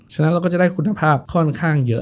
ฉะนั้นเราก็จะได้คุณภาพค่อนข้างเยอะ